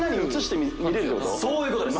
そういうことです。